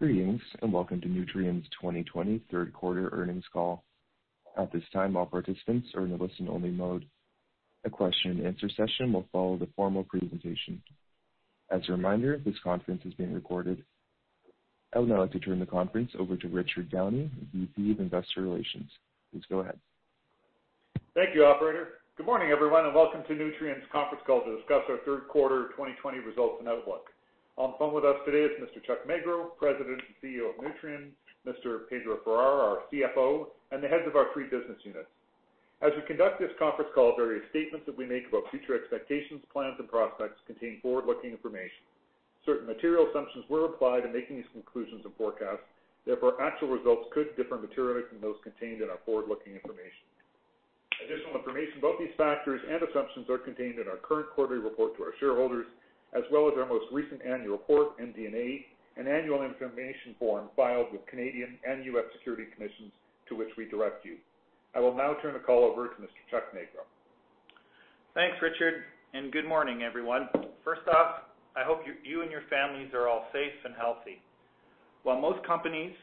Greetings, welcome to Nutrien's 2020 third quarter earnings call. At this time, all participants are in a listen-only mode. A question and answer session will follow the formal presentation. As a reminder, this conference is being recorded. I would now like to turn the conference over to Richard Downey, VP of Investor Relations. Please go ahead. Thank you, operator. Good morning, everyone, and welcome to Nutrien's conference call to discuss our third quarter 2020 results and outlook. On the phone with us today is Mr. Chuck Magro, President and CEO of Nutrien, Mr. Pedro Farah, our CFO, and the heads of our three business units. As we conduct this conference call, various statements that we make about future expectations, plans, and prospects contain forward-looking information. Certain material assumptions were applied in making these conclusions and forecasts, therefore, actual results could differ materially from those contained in our forward-looking information. Additional information about these factors and assumptions are contained in our current quarterly report to our shareholders, as well as our most recent annual report, MD&A, and annual information form filed with Canadian and U.S. Security Commissions, to which we direct you. I will now turn the call over to Mr. Chuck Magro. Thanks, Richard. Good morning, everyone. First off, I hope you and your families are all safe and healthy. While most companies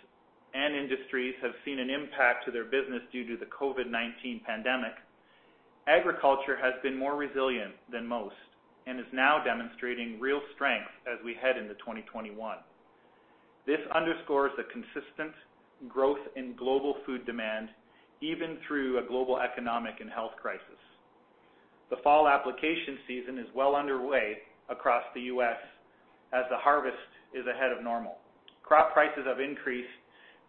and industries have seen an impact to their business due to the COVID-19 pandemic, agriculture has been more resilient than most and is now demonstrating real strength as we head into 2021. This underscores the consistent growth in global food demand, even through a global economic and health crisis. The fall application season is well underway across the U.S. as the harvest is ahead of normal. Crop prices have increased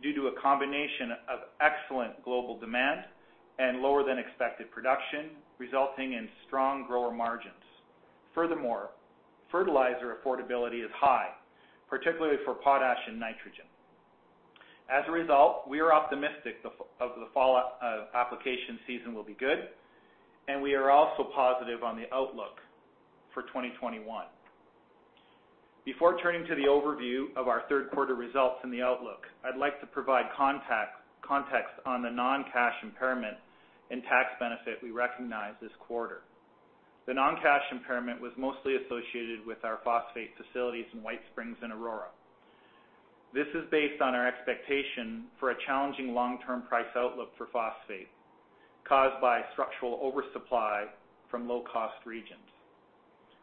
due to a combination of excellent global demand and lower than expected production, resulting in strong grower margins. Furthermore, fertilizer affordability is high, particularly for potash and nitrogen. We are optimistic of the fall application season will be good, and we are also positive on the outlook for 2021. Before turning to the overview of our third quarter results and the outlook, I'd like to provide context on the non-cash impairment and tax benefit we recognized this quarter. The non-cash impairment was mostly associated with our phosphate facilities in White Springs and Aurora. This is based on our expectation for a challenging long-term price outlook for phosphate caused by structural oversupply from low-cost regions.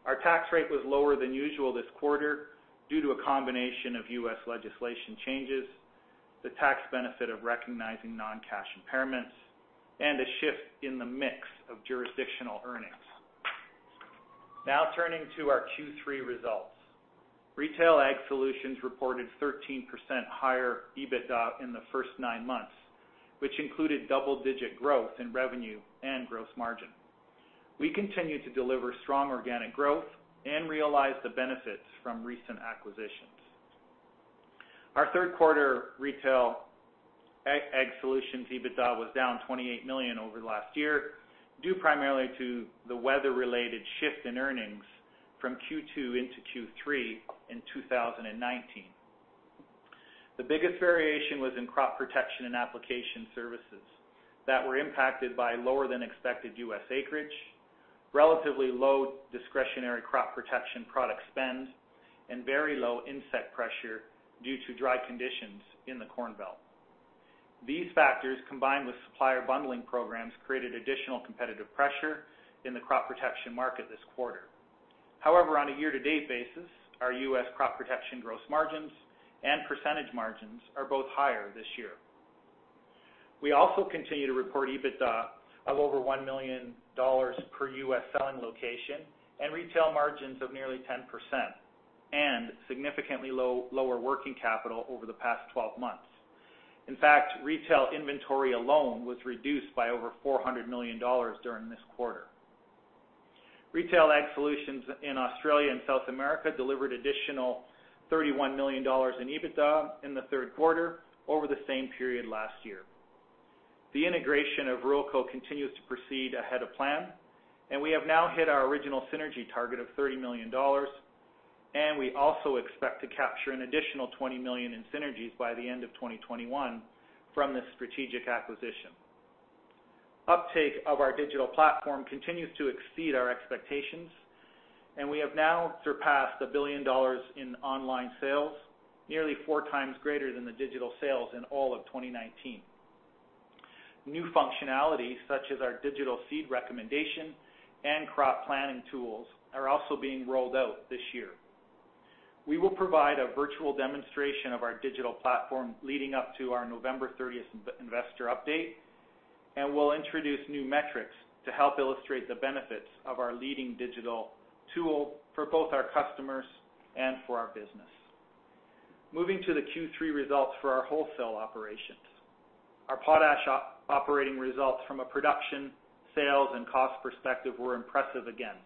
Our tax rate was lower than usual this quarter due to a combination of U.S. legislation changes, the tax benefit of recognizing non-cash impairments, and a shift in the mix of jurisdictional earnings. Turning to our Q3 results. Retail Ag Solutions reported 13% higher EBITDA in the first nine months, which included double-digit growth in revenue and gross margin. We continue to deliver strong organic growth and realize the benefits from recent acquisitions. Our third quarter Retail Ag Solutions EBITDA was down $28 million over last year, due primarily to the weather-related shift in earnings from Q2 into Q3 in 2019. The biggest variation was in crop protection and application services that were impacted by lower than expected U.S. acreage, relatively low discretionary crop protection product spend, and very low insect pressure due to dry conditions in the Corn Belt. These factors, combined with supplier bundling programs, created additional competitive pressure in the crop protection market this quarter. On a year-to-date basis, our U.S. crop protection gross margins and percentage margins are both higher this year. We also continue to report EBITDA of over $1 million per U.S. selling location and retail margins of nearly 10%, and significantly lower working capital over the past 12 months. In fact, retail inventory alone was reduced by over $400 million during this quarter. Retail Ag Solutions in Australia and South America delivered additional $31 million in EBITDA in the third quarter over the same period last year. The integration of Ruralco continues to proceed ahead of plan. We have now hit our original synergy target of $30 million. We also expect to capture an additional $20 million in synergies by the end of 2021 from this strategic acquisition. Uptake of our digital platform continues to exceed our expectations. We have now surpassed $1 billion in online sales, nearly four times greater than the digital sales in all of 2019. New functionality, such as our digital seed recommendation and crop planning tools, are also being rolled out this year. We will provide a virtual demonstration of our digital platform leading up to our November 30 investor update. We'll introduce new metrics to help illustrate the benefits of our leading digital tool for both our customers and for our business. Moving to the Q3 results for our wholesale operations. Our potash operating results from a production, sales, and cost perspective were impressive again.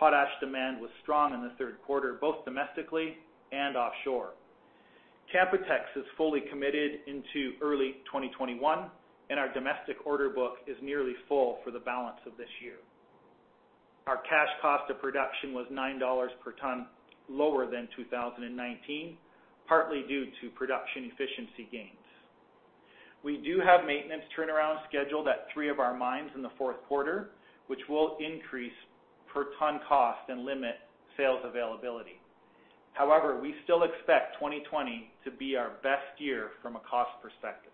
Potash demand was strong in the third quarter, both domestically and offshore. Canpotex is fully committed into early 2021. Our domestic order book is nearly full for the balance of this year. Our cash cost of production was $9 per ton lower than 2019, partly due to production efficiency gains. We do have maintenance turnaround scheduled at three of our mines in the fourth quarter, which will increase per-ton cost and limit sales availability. However, we still expect 2020 to be our best year from a cost perspective.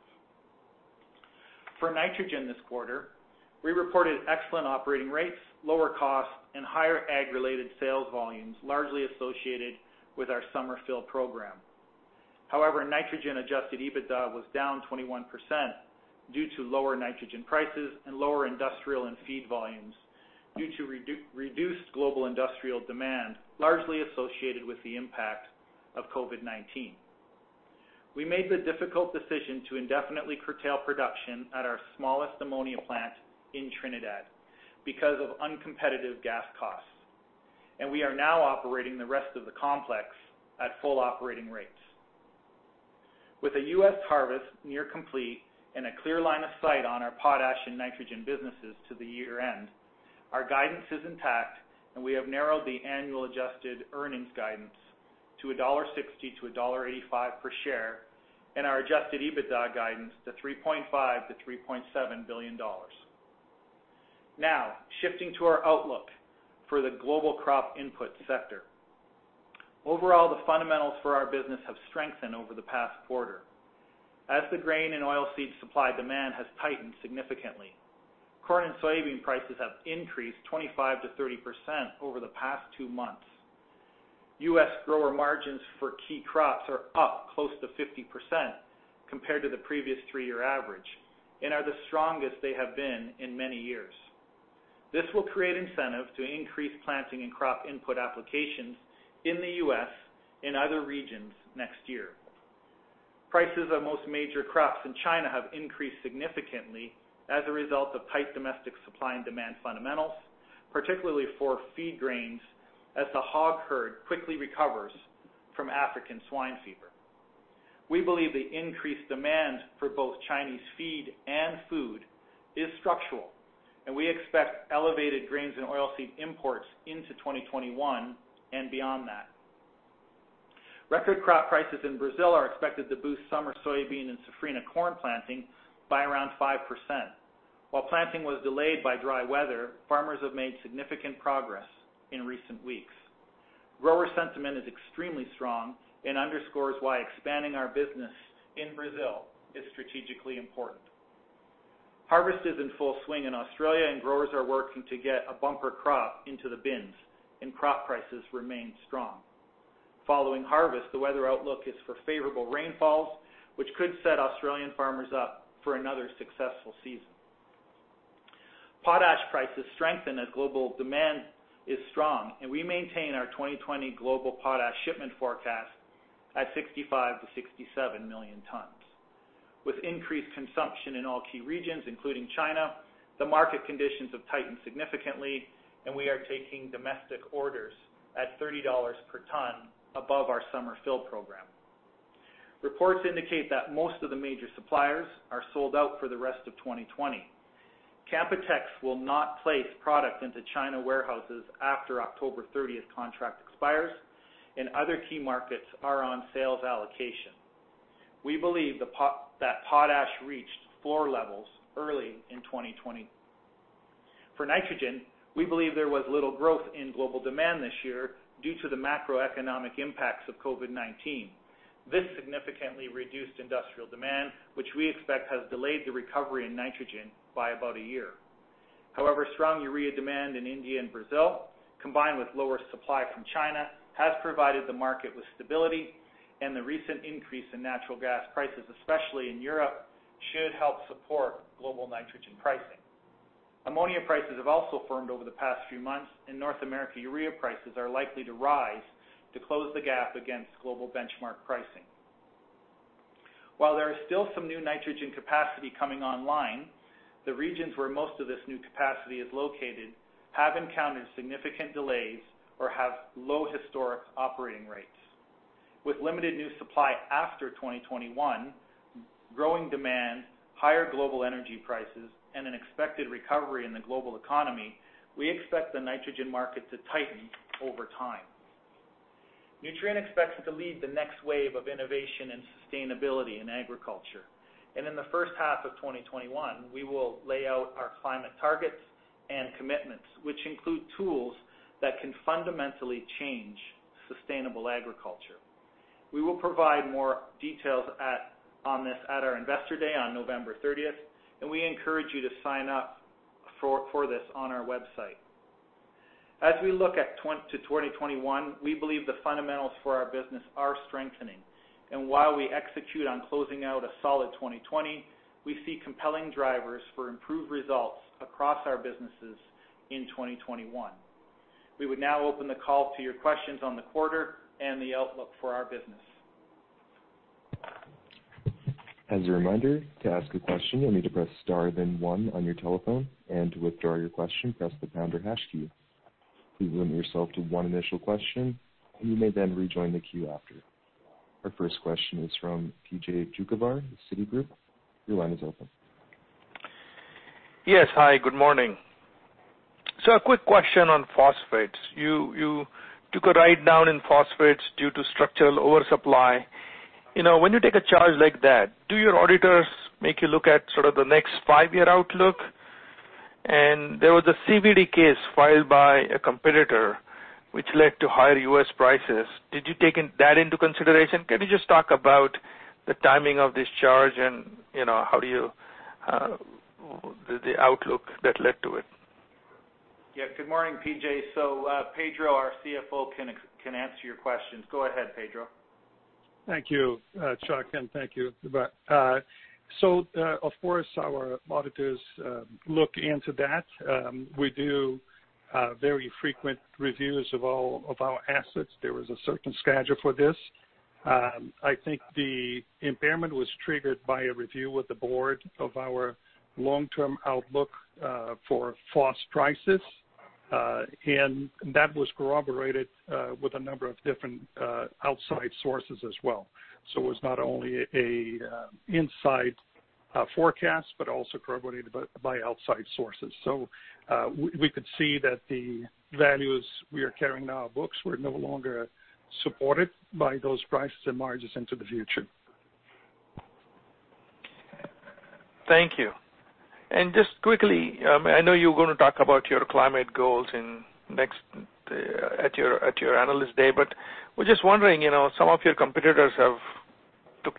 For nitrogen this quarter, we reported excellent operating rates, lower costs, and higher ag-related sales volumes, largely associated with our summer fill program. However, nitrogen adjusted EBITDA was down 21% due to lower nitrogen prices and lower industrial and feed volumes due to reduced global industrial demand, largely associated with the impact of COVID-19. We made the difficult decision to indefinitely curtail production at our smallest ammonia plant in Trinidad because of uncompetitive gas costs, and we are now operating the rest of the complex at full operating rates. With a U.S. harvest near complete and a clear line of sight on our potash and nitrogen businesses to the year-end, our guidance is intact, and we have narrowed the annual adjusted earnings guidance to $1.60-$1.85 per share and our adjusted EBITDA guidance to $3.5 billion-$3.7 billion. Now, shifting to our outlook for the global crop input sector. Overall, the fundamentals for our business have strengthened over the past quarter. As the grain and oilseed supply demand has tightened significantly, corn and soybean prices have increased 25%-30% over the past two months. U.S. grower margins for key crops are up close to 50% compared to the previous three-year average and are the strongest they have been in many years. This will create incentive to increase planting and crop input applications in the U.S. and other regions next year. Prices of most major crops in China have increased significantly as a result of tight domestic supply and demand fundamentals, particularly for feed grains, as the hog herd quickly recovers from African swine fever. We believe the increased demand for both Chinese feed and food is structural, and we expect elevated grains and oilseed imports into 2021 and beyond that. Record crop prices in Brazil are expected to boost summer soybean and safrinha corn planting by around 5%. While planting was delayed by dry weather, farmers have made significant progress in recent weeks. Grower sentiment is extremely strong and underscores why expanding our business in Brazil is strategically important. Harvest is in full swing in Australia and growers are working to get a bumper crop into the bins, and crop prices remain strong. Following harvest, the weather outlook is for favorable rainfalls, which could set Australian farmers up for another successful season. Potash prices strengthen as global demand is strong. We maintain our 2020 global potash shipment forecast at 65 million-67 million tons. With increased consumption in all key regions, including China, the market conditions have tightened significantly, and we are taking domestic orders at $30 per ton above our summer fill program. Reports indicate that most of the major suppliers are sold out for the rest of 2020. Canpotex will not place product into China warehouses after October 30th contract expires and other key markets are on sales allocation. We believe that potash reached floor levels early in 2020. For nitrogen, we believe there was little growth in global demand this year due to the macroeconomic impacts of COVID-19. This significantly reduced industrial demand, which we expect has delayed the recovery in nitrogen by about a year. Strong urea demand in India and Brazil, combined with lower supply from China, has provided the market with stability, and the recent increase in natural gas prices, especially in Europe, should help support global nitrogen pricing. Ammonia prices have also firmed over the past few months. In North America, urea prices are likely to rise to close the gap against global benchmark pricing. There is still some new nitrogen capacity coming online, the regions where most of this new capacity is located have encountered significant delays or have low historic operating rates. With limited new supply after 2021, growing demand, higher global energy prices, and an expected recovery in the global economy, we expect the nitrogen market to tighten over time. Nutrien expects to lead the next wave of innovation and sustainability in agriculture. In the first half of 2021, we will lay out our climate targets and commitments, which include tools that can fundamentally change sustainable agriculture. We will provide more details on this at our Investor Day on November 30th, and we encourage you to sign up for this on our website. As we look to 2021, we believe the fundamentals for our business are strengthening. While we execute on closing out a solid 2020, we see compelling drivers for improved results across our businesses in 2021. We would now open the call to your questions on the quarter and the outlook for our business. As a reminder, to ask a question, you'll need to press star then one on your telephone, and to withdraw your question, press the pound or hash key. Please limit yourself to one initial question, and you may then rejoin the queue after. Our first question is from P.J. Juvekar, Citigroup. Your line is open. Yes. Hi, good morning. A quick question on phosphates. You took a write-down in phosphates due to structural oversupply. When you take a charge like that, do your auditors make you look at sort of the next five-year outlook? There was a CVD case filed by a competitor, which led to higher U.S. prices. Did you take that into consideration? Can you just talk about the timing of this charge and the outlook that led to it? Yeah. Good morning, P.J. Pedro, our CFO, can answer your questions. Go ahead, Pedro. Thank you, Chuck, and thank you. Of course, our auditors look into that. We do very frequent reviews of all of our assets. There was a certain schedule for this. I think the impairment was triggered by a review with the board of our long-term outlook for phos prices. That was corroborated with a number of different outside sources as well. It was not only an inside forecast, but also corroborated by outside sources. We could see that the values we are carrying on our books were no longer supported by those prices and margins into the future. Thank you. Just quickly, I know you're going to talk about your climate goals at your Analyst Day, but we're just wondering, some of your competitors have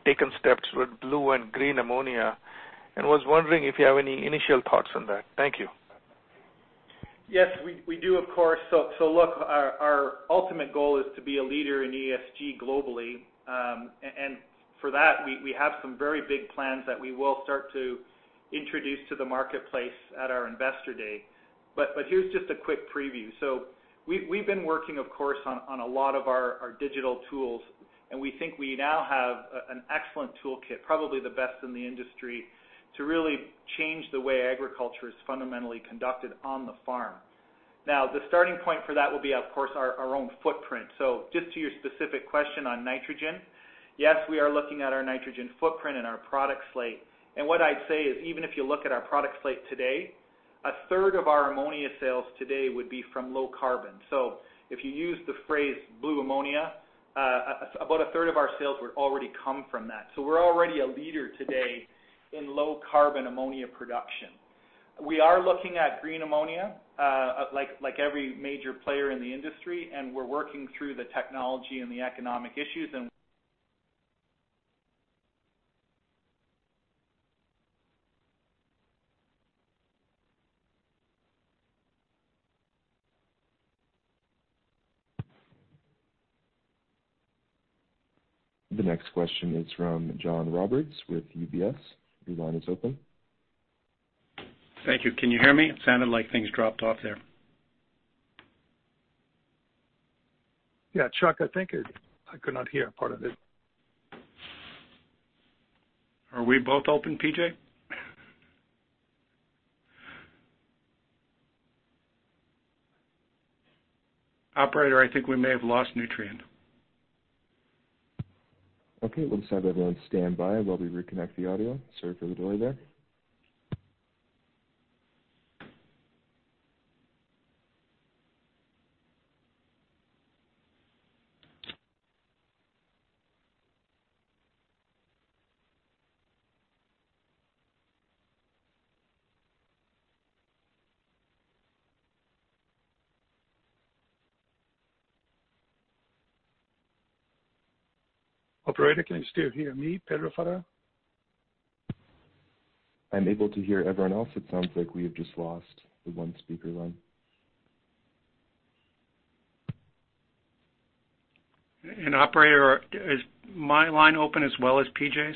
taken steps with blue and green ammonia, and was wondering if you have any initial thoughts on that. Thank you. Yes, we do, of course. Look, our ultimate goal is to be a leader in ESG globally. For that, we have some very big plans that we will start to introduce to the marketplace at our Investor Day. Here's just a quick preview. We've been working, of course, on a lot of our digital tools, and we think we now have an excellent toolkit, probably the best in the industry, to really change the way agriculture is fundamentally conducted on the farm. The starting point for that will be, of course, our own footprint. Just to your specific question on nitrogen, yes, we are looking at our nitrogen footprint and our product slate. What I'd say is, even if you look at our product slate today, a third of our ammonia sales today would be from low carbon. If you use the phrase blue ammonia, about a third of our sales would already come from that. We're already a leader today in low carbon ammonia production. We are looking at green ammonia, like every major player in the industry, and we're working through the technology and the economic issues. The next question is from John Roberts with UBS. Your line is open. Thank you. Can you hear me? It sounded like things dropped off there. Yeah, Chuck, I think I could not hear part of it. Are we both open, P.J.? Operator, I think we may have lost Nutrien. Okay, let's have everyone stand by while we reconnect the audio. Sorry for the delay there. Operator, can you still hear me, Pedro Farah? I'm able to hear everyone else. It sounds like we have just lost the one speaker line. Operator, is my line open as well as P.J.'s?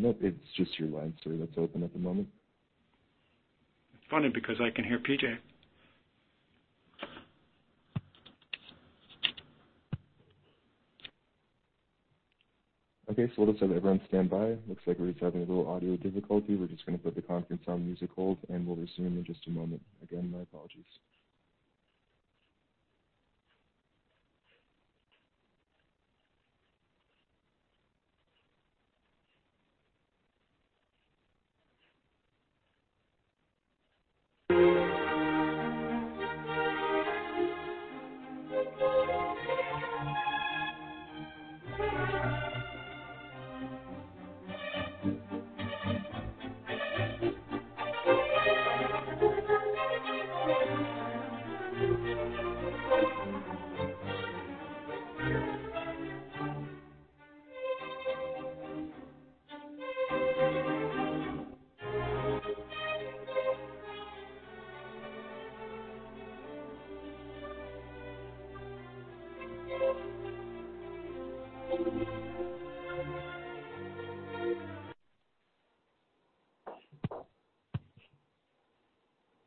No, it's just your line, sir, that's open at the moment. It's funny because I can hear P.J. Okay. Let's have everyone stand by. Looks like we're just having a little audio difficulty. We're just going to put the conference on musical hold, and we'll resume in just a moment. Again, my apologies.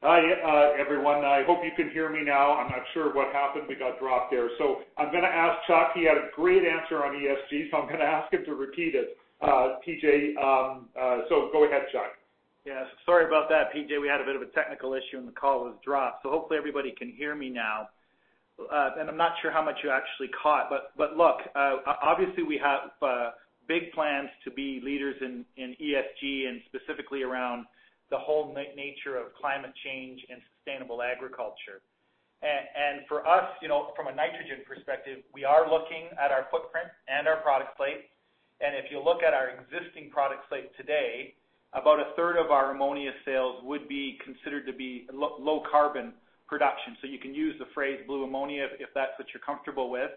Hi, everyone. I hope you can hear me now. I'm not sure what happened. We got dropped there. I'm going to ask Chuck, he had a great answer on ESG, so I'm going to ask him to repeat it. P.J. Go ahead, Chuck. Yeah. Sorry about that, PJ. We had a bit of a technical issue, the call was dropped. Hopefully everybody can hear me now. I'm not sure how much you actually caught, but look, obviously we have big plans to be leaders in ESG and specifically around the whole nature of climate change and sustainable agriculture. For us, from a nitrogen perspective, we are looking at our footprint and our product slate. If you look at our existing product slate today, about a third of our ammonia sales would be considered to be low carbon production. You can use the phrase blue ammonia if that's what you're comfortable with.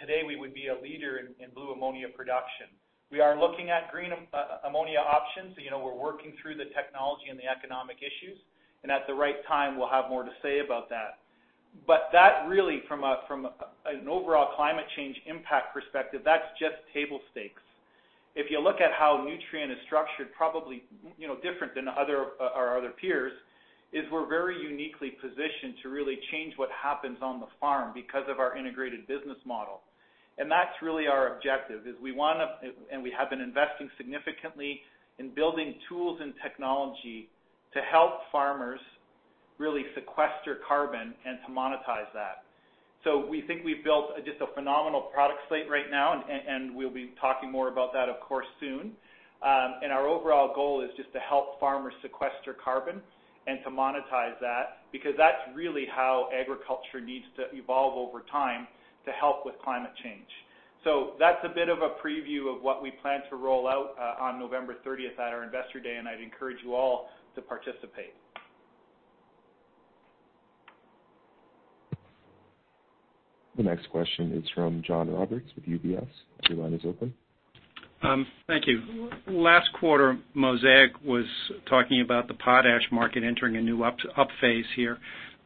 Today we would be a leader in blue ammonia production. We are looking at green ammonia options. We're working through the technology and the economic issues. At the right time, we'll have more to say about that. That really from an overall climate change impact perspective, that's just table stakes. If you look at how Nutrien is structured, probably different than our other peers, is we're very uniquely positioned to really change what happens on the farm because of our integrated business model. That's really our objective, is we want to, and we have been investing significantly in building tools and technology to help farmers really sequester carbon and to monetize that. We think we've built just a phenomenal product slate right now. We'll be talking more about that, of course, soon. Our overall goal is just to help farmers sequester carbon and to monetize that, because that's really how agriculture needs to evolve over time to help with climate change. That's a bit of a preview of what we plan to roll out on November 30th at our Investor Day, and I'd encourage you all to participate. The next question is from John Roberts with UBS. Your line is open. Thank you. Last quarter, Mosaic was talking about the potash market entering a new up phase here,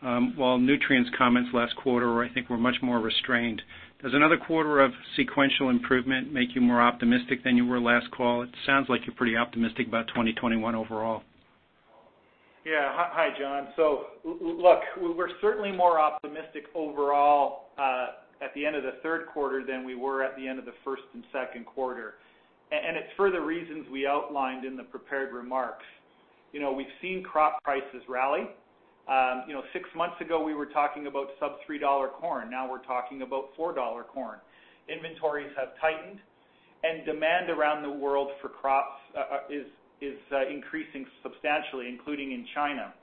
while Nutrien's comments last quarter, I think, were much more restrained. Does another quarter of sequential improvement make you more optimistic than you were last call? It sounds like you're pretty optimistic about 2021 overall. Yeah. Hi, John. Look, we're certainly more optimistic overall at the end of the third quarter than we were at the end of the first and second quarter. It's for the reasons we outlined in the prepared remarks. We've seen crop prices rally. Six months ago we were talking about sub $3 corn. Now we're talking about $4 corn. Inventories have tightened and demand around the world for crops is increasing substantially, including in China.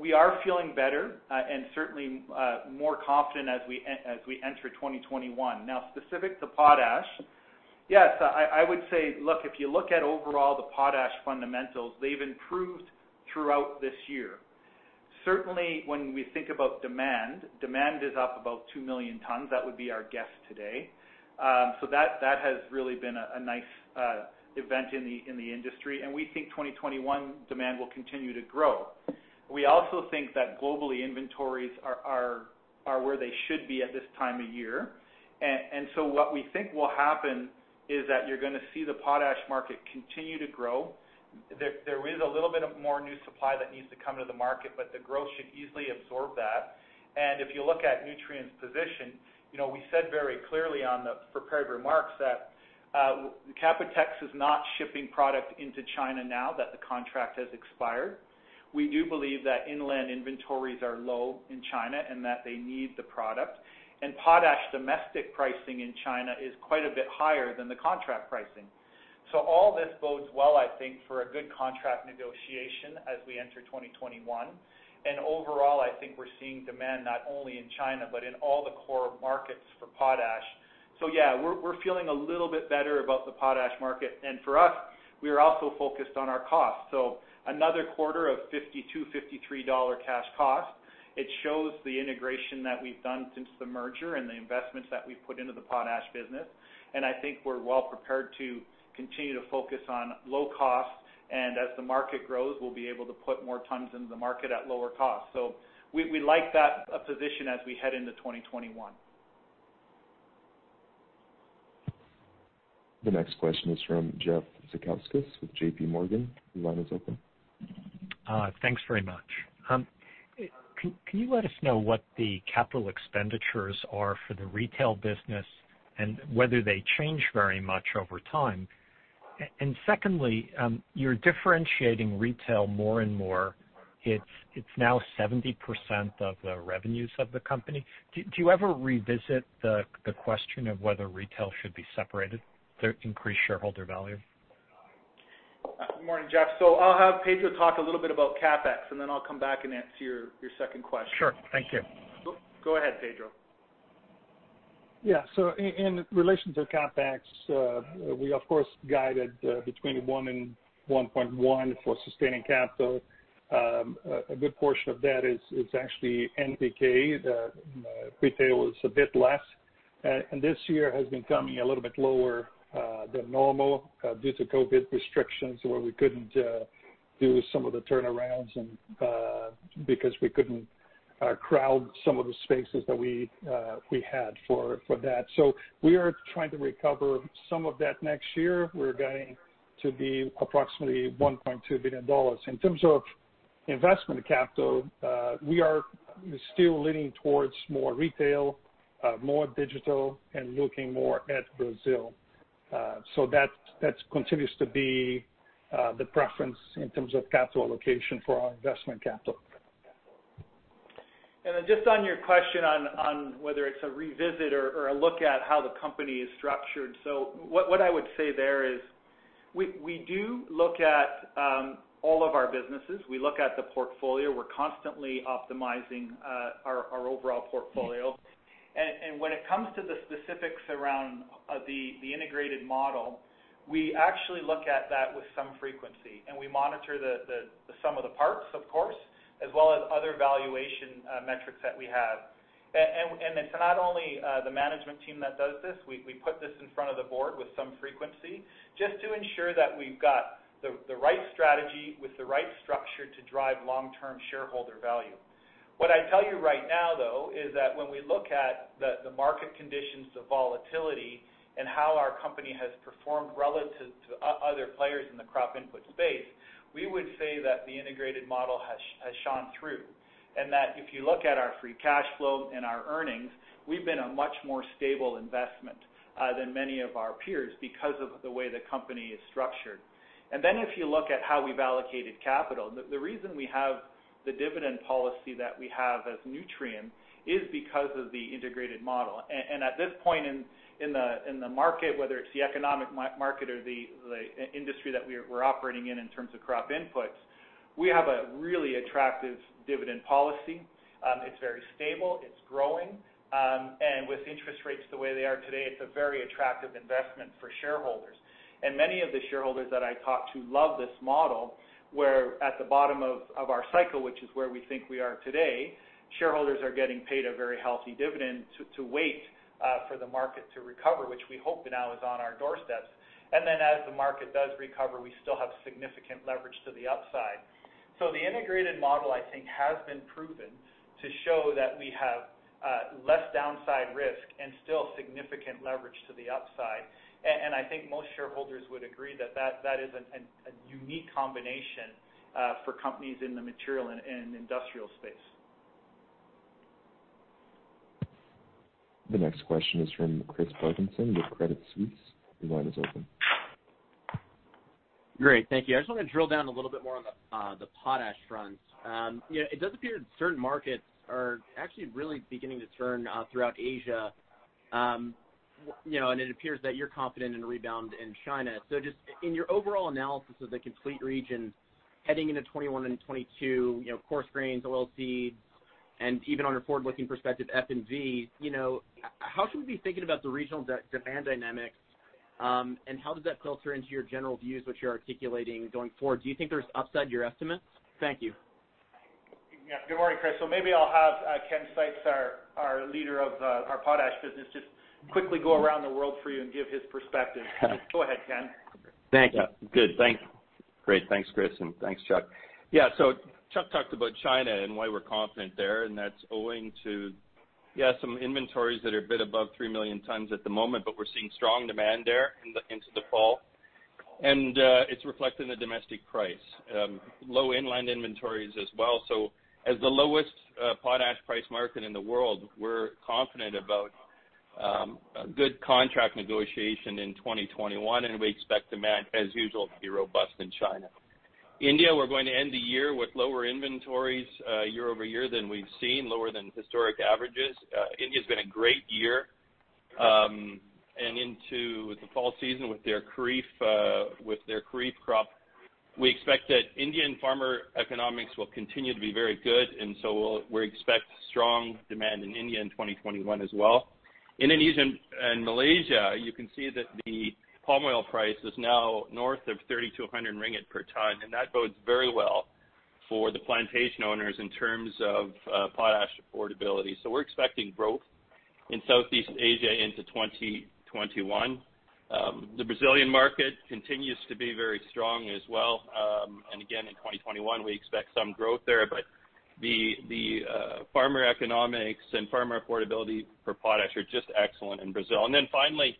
We are feeling better and certainly more confident as we enter 2021. Specific to potash, yes, I would say, look, if you look at overall the potash fundamentals, they've improved throughout this year. Certainly when we think about demand is up about 2 million tons. That would be our guess today. That has really been a nice event in the industry and we think 2021 demand will continue to grow. We also think that globally inventories are where they should be at this time of year. What we think will happen is that you're going to see the potash market continue to grow. There is a little bit of more new supply that needs to come to the market, but the growth should easily absorb that. If you look at Nutrien's position, we said very clearly on the prepared remarks that Canpotex is not shipping product into China now that the contract has expired. We do believe that inland inventories are low in China and that they need the product. Potash domestic pricing in China is quite a bit higher than the contract pricing. All this bodes well, I think, for a good contract negotiation as we enter 2021. Overall, I think we're seeing demand not only in China but in all the core markets for potash. Yeah, we're feeling a little bit better about the potash market. For us, we are also focused on our cost. Another quarter of $52-$53 cash cost. It shows the integration that we've done since the merger and the investments that we've put into the potash business. I think we're well prepared to continue to focus on low cost. As the market grows, we'll be able to put more tons into the market at lower cost. We like that position as we head into 2021. The next question is from Jeff Zekauskas with JPMorgan. Your line is open. Thanks very much. Can you let us know what the capital expenditures are for the retail business and whether they change very much over time? Secondly, you're differentiating retail more and more. It's now 70% of the revenues of the company. Do you ever revisit the question of whether retail should be separated to increase shareholder value? Good morning, Jeff. I'll have Pedro talk a little bit about CapEx and then I'll come back and answer your second question. Sure. Thank you. Go ahead, Pedro. Yeah. In relation to CapEx, we of course guided between $1 and $1.1 for sustaining capital. A good portion of that is actually NPK. The retail is a bit less. This year has been coming a little bit lower than normal due to COVID restrictions where we couldn't do some of the turnarounds and because we couldn't crowd some of the spaces that we had for that. We are trying to recover some of that next year. We're guiding to be approximately $1.2 billion. In terms of investment capital, we are still leaning towards more retail, more digital, and looking more at Brazil. That continues to be the preference in terms of capital allocation for our investment capital. Then just on your question on whether it's a revisit or a look at how the company is structured. What I would say there is, we do look at all of our businesses. We look at the portfolio. We're constantly optimizing our overall portfolio. When it comes to the specifics around the integrated model, we actually look at that with some frequency and we monitor the sum of the parts, of course, as well as other valuation metrics that we have. It's not only the management team that does this, we put this in front of the board with some frequency just to ensure that we've got the right strategy with the right structure to drive long-term shareholder value. What I'd tell you right now, though, is that when we look at the market conditions, the volatility, and how our company has performed relative to other players in the crop input space, we would say that the integrated model has shone through. That if you look at our free cash flow and our earnings, we've been a much more stable investment than many of our peers because of the way the company is structured. Then if you look at how we've allocated capital, the reason we have the dividend policy that we have as Nutrien is because of the integrated model. At this point in the market, whether it's the economic market or the industry that we're operating in terms of crop inputs, we have a really attractive dividend policy. It's very stable, it's growing. With interest rates the way they are today, it's a very attractive investment for shareholders. Many of the shareholders that I talk to love this model, where at the bottom of our cycle, which is where we think we are today, shareholders are getting paid a very healthy dividend to wait for the market to recover, which we hope now is on our doorsteps. Then as the market does recover, we still have significant leverage to the upside. The integrated model, I think, has been proven to show that we have less downside risk and still significant leverage to the upside. I think most shareholders would agree that that is a unique combination for companies in the material and industrial space. The next question is from Chris Parkinson with Credit Suisse. Your line is open. Great. Thank you. I just want to drill down a little bit more on the potash front. It does appear that certain markets are actually really beginning to turn throughout Asia. It appears that you're confident in a rebound in China. Just in your overall analysis of the complete region heading into 2021 and 2022, coarse grains, oil seeds, and even on a forward-looking perspective, F&V, how should we be thinking about the regional demand dynamics? How does that filter into your general views, which you're articulating going forward? Do you think there's upside to your estimates? Thank you. Yeah. Good morning, Chris. Maybe I'll have Ken Seitz, our leader of our potash business, just quickly go around the world for you and give his perspective. Go ahead, Ken. Thank you. Good. Thanks. Great. Thanks, Chris. Thanks, Chuck. Chuck talked about China and why we're confident there, and that's owing to some inventories that are a bit above 3 million tons at the moment, but we're seeing strong demand there into the fall. It's reflected in the domestic price. Low inland inventories as well. As the lowest potash price market in the world, we're confident about a good contract negotiation in 2021, and we expect demand, as usual, to be robust in China. India, we're going to end the year with lower inventories year-over-year than we've seen, lower than historic averages. India's been a great year. Into the fall season with their kharif crop, we expect that Indian farmer economics will continue to be very good, and so we expect strong demand in India in 2021 as well. Indonesia and Malaysia, you can see that the palm oil price is now north of 3,200 ringgit per ton. That bodes very well for the plantation owners in terms of potash affordability. We're expecting growth in Southeast Asia into 2021. The Brazilian market continues to be very strong as well. Again, in 2021, we expect some growth there, but the farmer economics and farmer affordability for potash are just excellent in Brazil. Finally,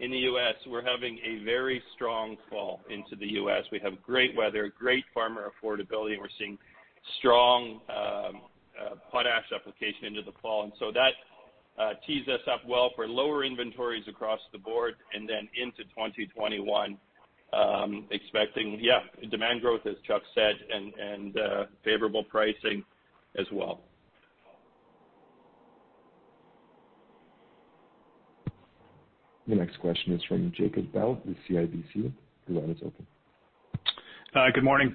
in the U.S., we're having a very strong fall into the U.S. We have great weather, great farmer affordability, and we're seeing strong potash application into the fall. That tees us up well for lower inventories across the board. Into 2021, expecting, yeah, demand growth, as Chuck said, and favorable pricing as well. The next question is from Jacob Bout with CIBC. Your line is open. Good morning.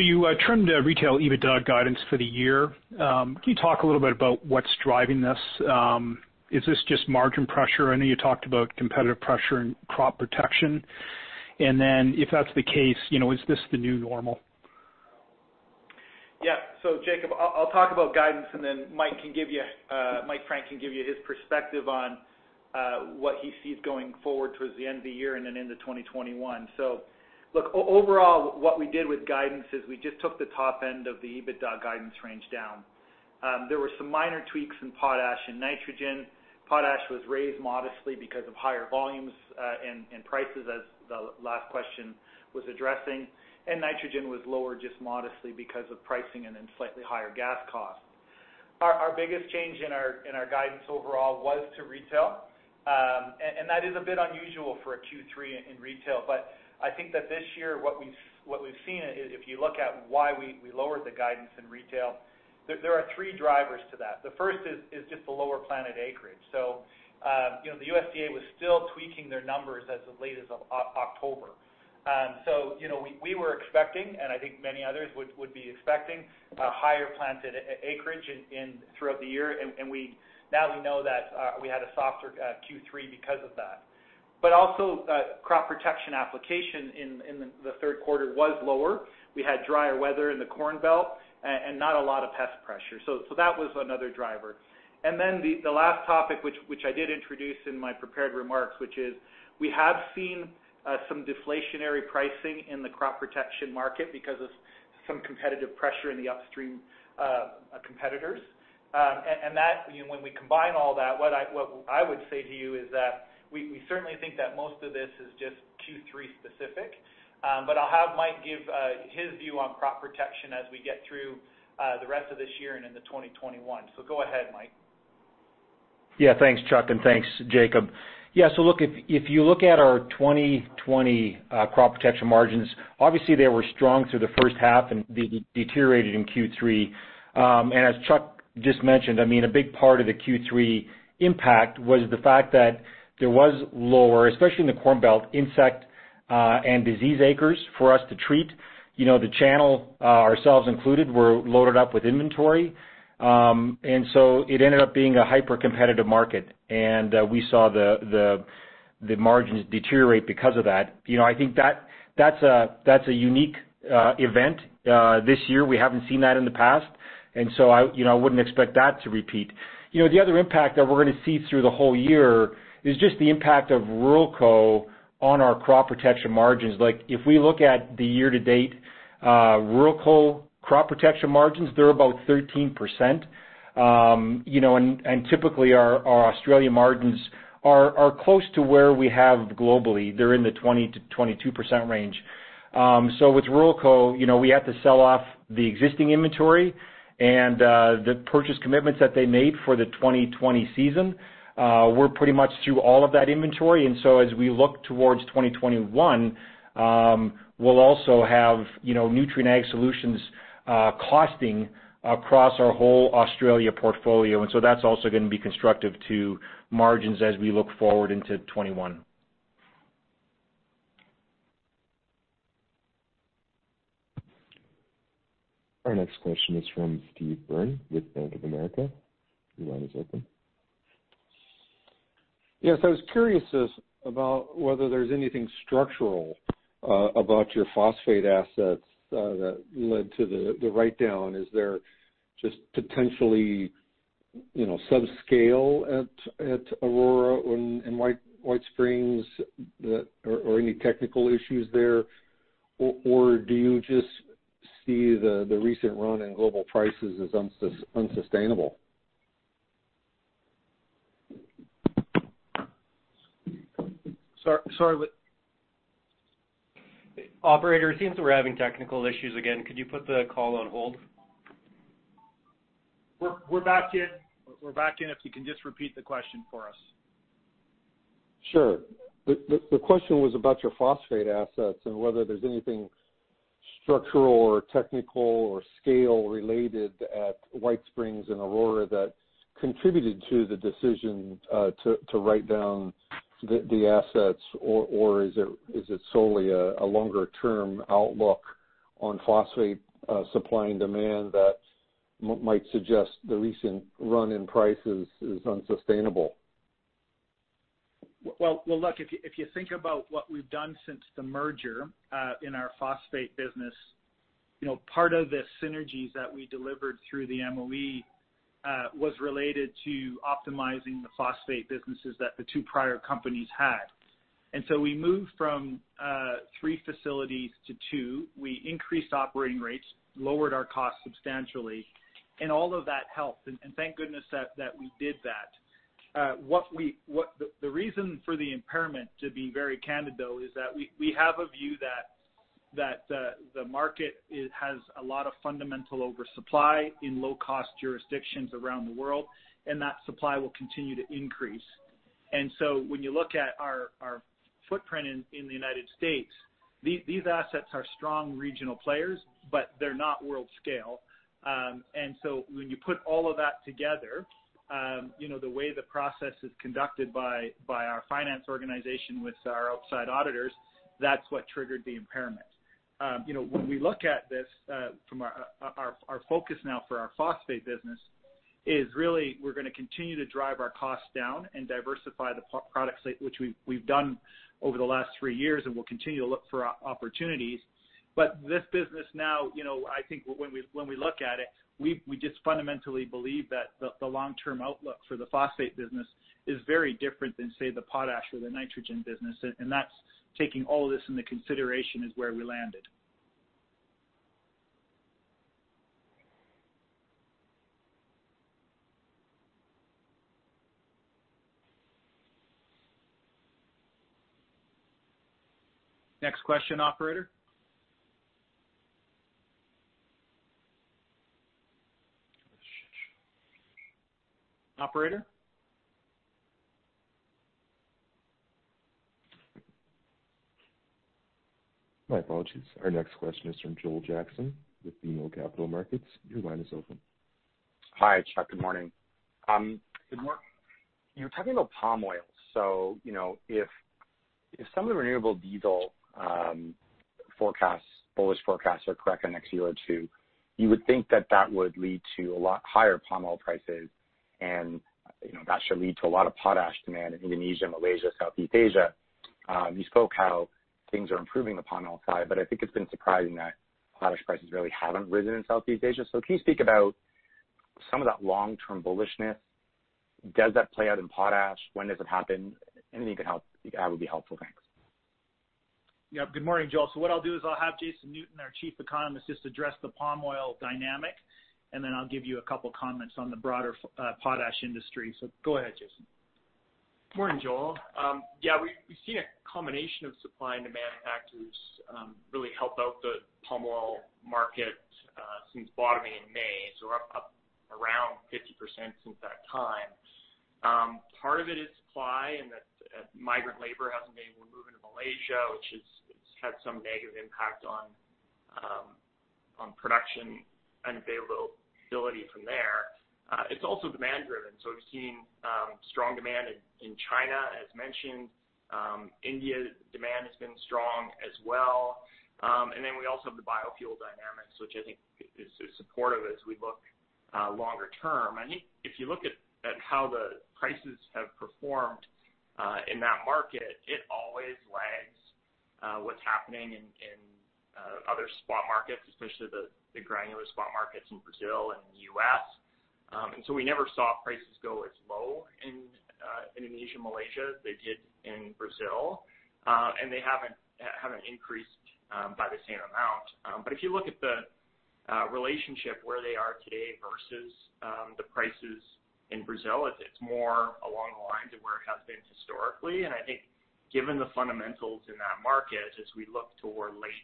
You trimmed retail EBITDA guidance for the year. Can you talk a little bit about what's driving this? Is this just margin pressure? I know you talked about competitive pressure in crop protection. If that's the case, is this the new normal? Jacob, I'll talk about guidance and then Mike Frank can give you his perspective on what he sees going forward towards the end of the year and then into 2021. Look, overall, what we did with guidance is we just took the top end of the EBITDA guidance range down. There were some minor tweaks in potash and nitrogen. Potash was raised modestly because of higher volumes and prices as the last question was addressing, nitrogen was lowered just modestly because of pricing and then slightly higher gas costs. Our biggest change in our guidance overall was to retail. That is a bit unusual for a Q3 in retail, I think that this year, what we've seen is if you look at why we lowered the guidance in retail, there are three drivers to that. The first is just the lower planted acreage. The USDA was still tweaking their numbers as late as October. We were expecting, and I think many others would be expecting, a higher planted acreage throughout the year. Now we know that we had a softer Q3 because of that. Also, crop protection application in the third quarter was lower. We had drier weather in the Corn Belt and not a lot of pest pressure. That was another driver. The last topic, which I did introduce in my prepared remarks, which is we have seen some deflationary pricing in the crop protection market because of some competitive pressure in the upstream competitors. When we combine all that, what I would say to you is that we certainly think that most of this is just Q3 specific. I'll have Mike give his view on crop protection as we get through the rest of this year and into 2021. Go ahead, Mike. Yeah. Thanks, Chuck, and thanks, Jacob. Look, if you look at our 2020 crop protection margins, obviously, they were strong through the first half and deteriorated in Q3. As Chuck just mentioned, a big part of the Q3 impact was the fact that there was lower, especially in the Corn Belt, insect and disease acres for us to treat. The channel, ourselves included, were loaded up with inventory. It ended up being a hyper-competitive market, and we saw the margins deteriorate because of that. I think that's a unique event this year. We haven't seen that in the past, and so I wouldn't expect that to repeat. The other impact that we're going to see through the whole year is just the impact of Ruralco on our crop protection margins. If we look at the year-to-date Ruralco crop protection margins, they're about 13%. Typically, our Australia margins are close to where we have globally. They're in the 20%-22% range. With Ruralco, we have to sell off the existing inventory and the purchase commitments that they made for the 2020 season. We're pretty much through all of that inventory, and so as we look towards 2021, we'll also have Nutrien Ag Solutions costing across our whole Australia portfolio. That's also going to be constructive to margins as we look forward into 2021. Our next question is from Steve Byrne with Bank of America. Your line is open. I was curious about whether there's anything structural about your phosphate assets that led to the write-down. Is there just potentially sub-scale at Aurora and White Springs, or any technical issues there, or do you just see the recent run in global prices as unsustainable? Sorry, what? Operator, it seems that we're having technical issues again. Could you put the call on hold? We're back in. If you can just repeat the question for us. Sure. The question was about your phosphate assets and whether there's anything structural or technical or scale-related at White Springs and Aurora that contributed to the decision to write down the assets, or is it solely a longer-term outlook on phosphate supply and demand that might suggest the recent run in prices is unsustainable? Well, look, if you think about what we've done since the merger in our phosphate business, part of the synergies that we delivered through the MOE was related to optimizing the phosphate businesses that the two prior companies had. We moved from three facilities to two. We increased operating rates, lowered our costs substantially, and all of that helped, and thank goodness that we did that. The reason for the impairment, to be very candid, though, is that we have a view that the market has a lot of fundamental oversupply in low-cost jurisdictions around the world, and that supply will continue to increase. When you look at our footprint in the United States, these assets are strong regional players, but they're not world scale. When you put all of that together, the way the process is conducted by our finance organization with our outside auditors, that's what triggered the impairment. When we look at this from our focus now for our phosphate business is really we're going to continue to drive our costs down and diversify the product slate, which we've done over the last three years, and we'll continue to look for opportunities. This business now, I think when we look at it, we just fundamentally believe that the long-term outlook for the phosphate business is very different than, say, the potash or the nitrogen business. That's taking all of this into consideration is where we landed. Next question, operator. Operator? My apologies. Our next question is from Joel Jackson with BMO Capital Markets. Your line is open. Hi, Chuck. Good morning. You were talking about palm oil. If some of the renewable diesel bullish forecasts are correct the next year or two, you would think that that would lead to a lot higher palm oil prices, and that should lead to a lot of potash demand in Indonesia, Malaysia, Southeast Asia. You spoke how things are improving on the palm oil side, but I think it's been surprising that potash prices really haven't risen in Southeast Asia. Can you speak about some of that long-term bullishness? Does that play out in potash? When does it happen? Anything that would be helpful. Thanks. Yep. Good morning, Joel. What I'll do is I'll have Jason Newton, our chief economist, just address the palm oil dynamic, and then I'll give you a couple of comments on the broader potash industry. Go ahead, Jason. Morning, Joel. Yeah, we've seen a combination of supply and demand factors really help out the palm oil market since bottoming in May. Up around 50% since that time. Part of it is supply and that migrant labor hasn't been able to move into Malaysia, which has had some negative impact on production and availability from there. It's also demand-driven. We've seen strong demand in China, as mentioned. India's demand has been strong as well. We also have the biofuel dynamics, which I think is supportive as we look longer term. If you look at how the prices have performed in that market, it always lags what's happening in other spot markets, especially the granular spot markets in Brazil and the U.S. We never saw prices go as low in Indonesia and Malaysia as they did in Brazil. They haven't increased by the same amount. If you look at the relationship where they are today versus the prices in Brazil, it's more along the lines of where it has been historically. I think given the fundamentals in that market as we look toward late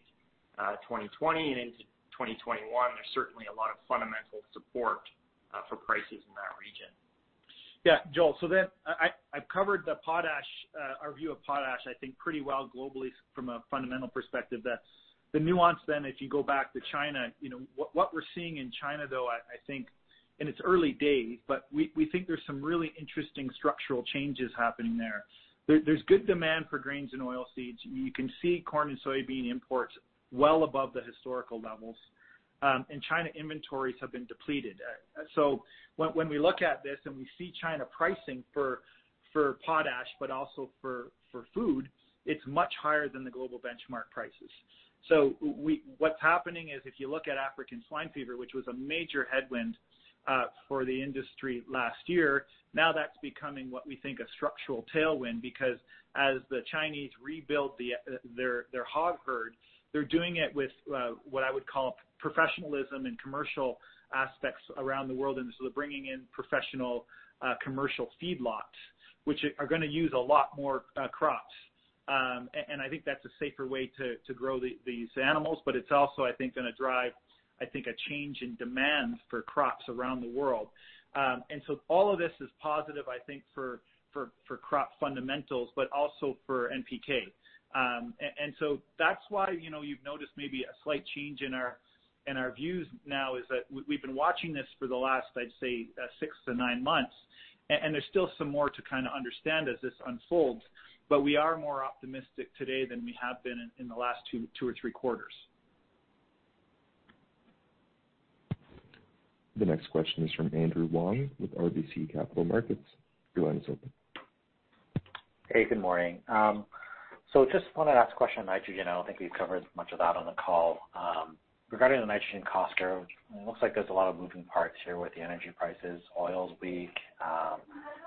2020 and into 2021, there's certainly a lot of fundamental support for prices in that region. Yeah, Joel, I've covered our view of potash, I think pretty well globally from a fundamental perspective. The nuance, if you go back to China, what we're seeing in China, though, I think in its early days, but we think there's some really interesting structural changes happening there. There's good demand for grains and oilseeds. You can see corn and soybean imports well above the historical levels. In China, inventories have been depleted. When we look at this and we see China pricing for potash, but also for food, it's much higher than the global benchmark prices. What's happening is if you look at African swine fever, which was a major headwind for the industry last year, now that's becoming what we think a structural tailwind because as the Chinese rebuild their hog herd, they're doing it with what I would call professionalism and commercial aspects around the world. They're bringing in professional commercial feedlots, which are going to use a lot more crops. I think that's a safer way to grow these animals. It's also, I think, going to drive a change in demand for crops around the world. All of this is positive, I think, for crop fundamentals, but also for NPK. That's why you've noticed maybe a slight change in our views now is that we've been watching this for the last, I'd say, six to nine months, and there's still some more to kind of understand as this unfolds. We are more optimistic today than we have been in the last two or three quarters. The next question is from Andrew Wong with RBC Capital Markets. Your line is open. Hey, good morning. Just want to ask a question on nitrogen. I don't think we've covered much of that on the call. Regarding the nitrogen cost curve, it looks like there's a lot of moving parts here with the energy prices. Oil is weak.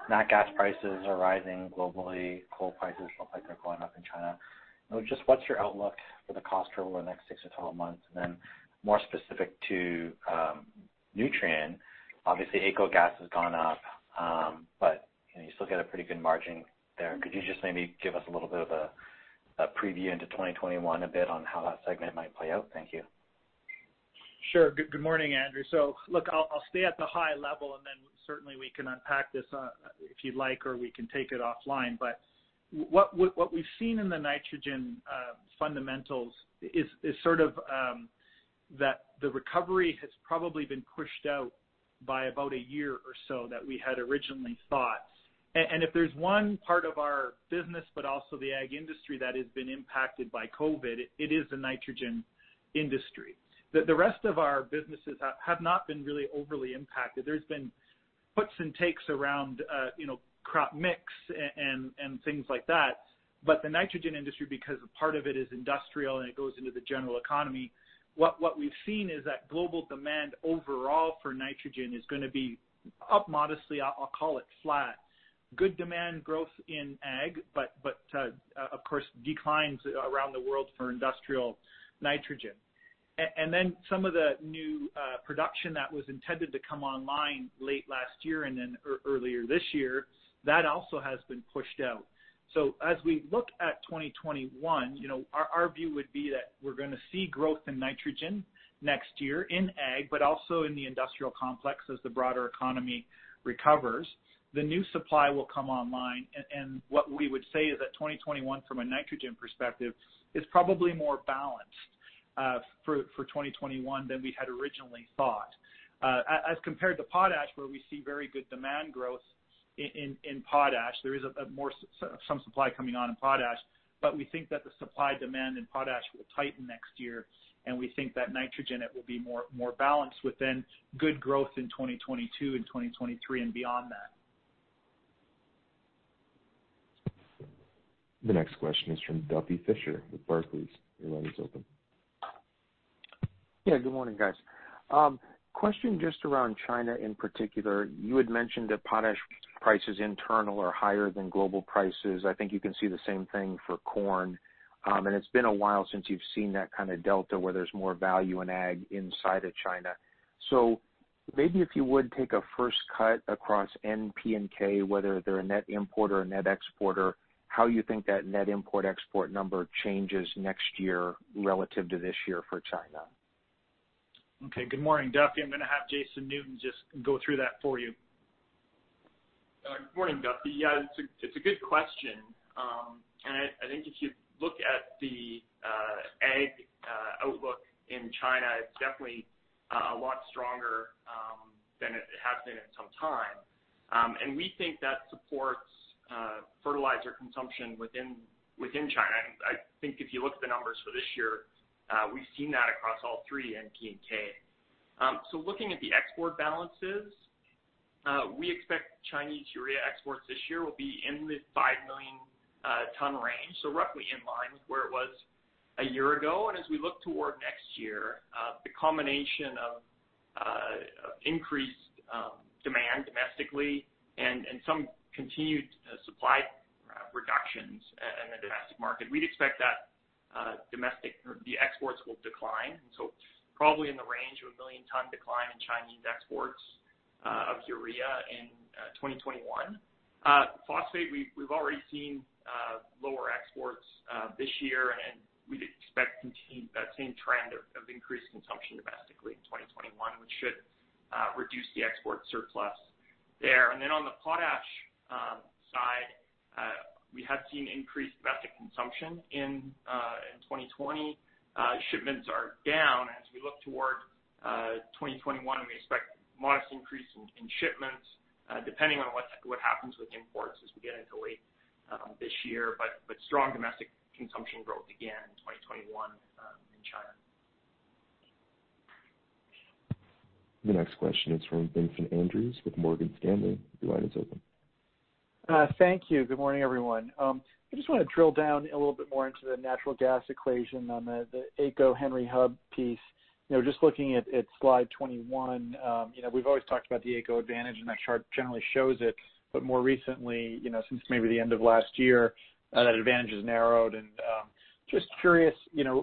Nat gas prices are rising globally. Coal prices look like they're going up in China. Just what's your outlook for the cost curve over the next six to 12 months? More specific to Nutrien, obviously, AECO gas has gone up, but you still get a pretty good margin there. Could you just maybe give us a little bit of a preview into 2021, a bit on how that segment might play out? Thank you. Sure. Good morning, Andrew. Look, I'll stay at the high level, and then certainly we can unpack this if you'd like, or we can take it offline. What we've seen in the nitrogen fundamentals is sort of that the recovery has probably been pushed out by about a year or so that we had originally thought. If there's one part of our business but also the ag industry that has been impacted by COVID, it is the nitrogen industry. The rest of our businesses have not been really overly impacted. There's been puts and takes around crop mix and things like that. The nitrogen industry, because a part of it is industrial and it goes into the general economy, what we've seen is that global demand overall for nitrogen is going to be up modestly. I'll call it flat. Good demand growth in ag, but of course declines around the world for industrial nitrogen. Some of the new production that was intended to come online late last year and then earlier this year, that also has been pushed out. As we look at 2021, our view would be that we're going to see growth in nitrogen next year in ag, but also in the industrial complex as the broader economy recovers. The new supply will come online. What we would say is that 2021 from a nitrogen perspective is probably more balanced for 2021 than we had originally thought. As compared to potash, where we see very good demand growth in potash, there is some supply coming on in potash. We think that the supply-demand in potash will tighten next year. We think that nitrogen will be more balanced within good growth in 2022 and 2023 and beyond that. The next question is from Duffy Fischer with Barclays. Your line is open. Good morning, guys. Question just around China in particular. You had mentioned that potash prices internal are higher than global prices. I think you can see the same thing for corn. It's been a while since you've seen that kind of delta where there's more value in ag inside of China. Maybe if you would take a first cut across N, P, and K, whether they're a net importer or net exporter, how you think that net import-export number changes next year relative to this year for China? Okay. Good morning, Duffy. I'm gonna have Jason Newton just go through that for you. Good morning, Duffy. Yeah, it's a good question. I think if you look at the Ag outlook in China, it's definitely a lot stronger than it has been in some time. We think that supports fertilizer consumption within China. I think if you look at the numbers for this year, we've seen that across all three, N, P, and K. Looking at the export balances, we expect Chinese urea exports this year will be in the 5 million ton range. Roughly in line with where it was a year ago. As we look toward next year, the combination of increased demand domestically and some continued supply reductions in the domestic market, we'd expect that the exports will decline. Probably in the range of a 1 million ton decline in Chinese exports of urea in 2021. Phosphate, we've already seen lower exports this year, and we'd expect that same trend of increased consumption domestically in 2021, which should reduce the export surplus there. On the potash side, we have seen increased domestic consumption in 2020. Shipments are down as we look toward 2021, and we expect modest increase in shipments depending on what happens with imports as we get into late this year. Strong domestic consumption growth again in 2021 in China. The next question is from Vincent Andrews with Morgan Stanley. Your line is open. Thank you. Good morning, everyone. I just want to drill down a little bit more into the natural gas equation on the AECO Henry Hub piece. Just looking at slide 21, we've always talked about the AECO advantage, and that chart generally shows it, but more recently, since maybe the end of last year, that advantage has narrowed. Just curious,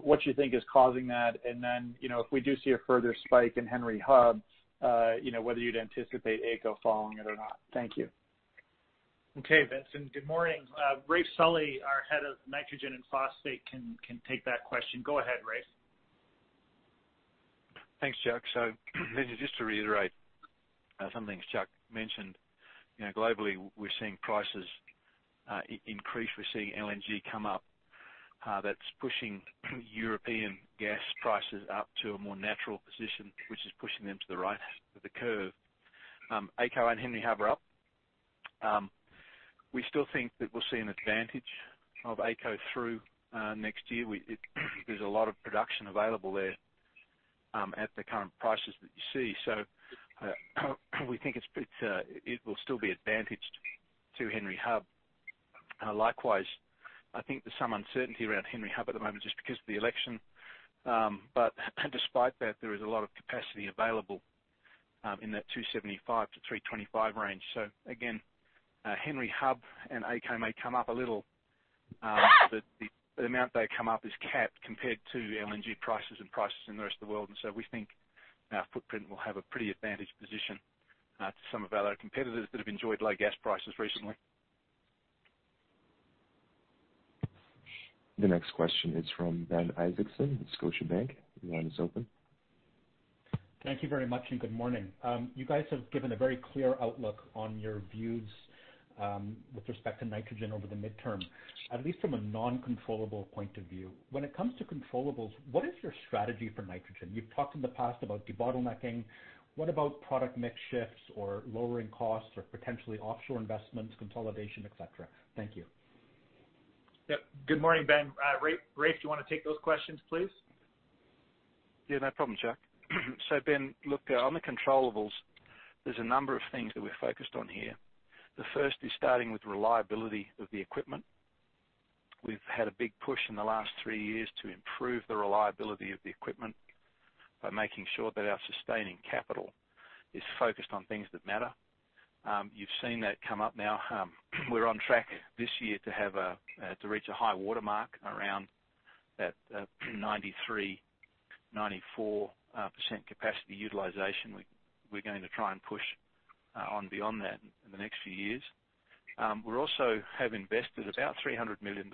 what you think is causing that, and then, if we do see a further spike in Henry Hub, whether you'd anticipate AECO following it or not. Thank you. Okay, Vincent. Good morning. Raef Sully, our head of Nitrogen and Phosphate can take that question. Go ahead, Raef. Thanks, Chuck. Vincent, just to reiterate some things Chuck mentioned. Globally, we're seeing prices increase. We're seeing LNG come up. That's pushing European gas prices up to a more natural position, which is pushing them to the right of the curve. AECO and Henry Hub are up. We still think that we'll see an advantage of AECO through next year. There's a lot of production available there at the current prices that you see. We think it will still be advantaged to Henry Hub. Likewise, I think there's some uncertainty around Henry Hub at the moment just because of the election. Despite that, there is a lot of capacity available in that 2.75-3.25 range. Again, Henry Hub and AECO may come up a little, but the amount they come up is capped compared to LNG prices and prices in the rest of the world. We think our footprint will have a pretty advantaged position to some of our competitors that have enjoyed low gas prices recently. The next question is from Ben Isaacson with Scotiabank. Your line is open. Thank you very much, and good morning. You guys have given a very clear outlook on your views with respect to nitrogen over the midterm, at least from a non-controllable point of view. When it comes to controllables, what is your strategy for nitrogen? You've talked in the past about debottlenecking. What about product mix shifts or lowering costs or potentially offshore investments, consolidation, et cetera? Thank you. Yep. Good morning, Ben. Raef, do you want to take those questions, please? Yeah, no problem, Chuck. Ben, look, on the controllables, there's a number of things that we're focused on here. The first is starting with reliability of the equipment. We've had a big push in the last three years to improve the reliability of the equipment by making sure that our sustaining capital is focused on things that matter. You've seen that come up now. We're on track this year to reach a high water mark around that 93%-94% capacity utilization. We're going to try and push on beyond that in the next few years. We also have invested about $300 million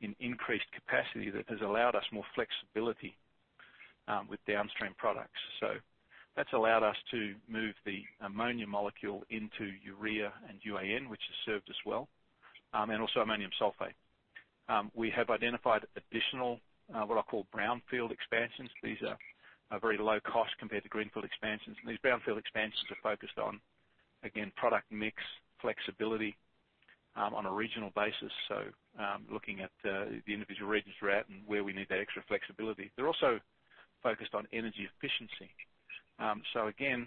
in increased capacity that has allowed us more flexibility with downstream products. That's allowed us to move the ammonia molecule into urea and UAN, which has served us well, and also ammonium sulfate. We have identified additional, what I call brownfield expansions. These are very low cost compared to greenfield expansions. These brownfield expansions are focused on, again, product mix flexibility on a regional basis. Looking at the individual regions we're at and where we need that extra flexibility. They're also focused on energy efficiency. Again,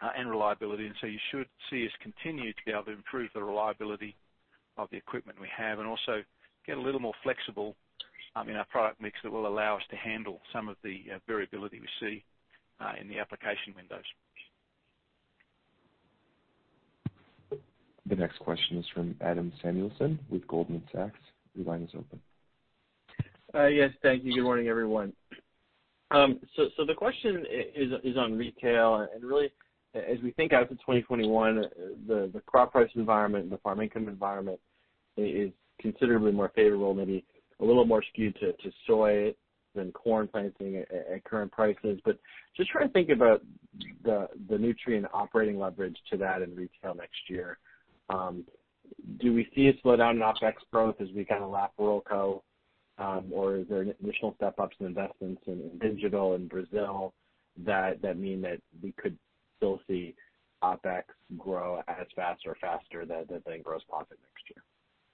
and reliability, and so you should see us continue to be able to improve the reliability of the equipment we have and also get a little more flexible in our product mix that will allow us to handle some of the variability we see in the application windows. The next question is from Adam Samuelson with Goldman Sachs. Your line is open. Yes, thank you. Good morning, everyone. The question is on retail, and really, as we think out to 2021, the crop price environment and the farm income environment is considerably more favorable, maybe a little more skewed to soy than corn planting at current prices. Just trying to think about the Nutrien operating leverage to that in retail next year. Do we see a slowdown in OpEx growth as we kind of lap Ruralco? Is there additional step-ups in investments in digital in Brazil that mean that we could still see OpEx grow as fast or faster than gross profit next year?